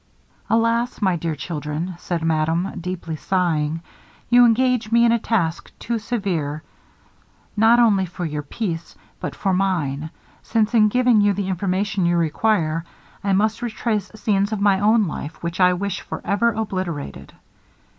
'Alas! my dear children,' said madame, deeply sighing, 'you engage me in a task too severe, not only for your peace, but for mine; since in giving you the information you require, I must retrace scenes of my own life, which I wish for ever obliterated.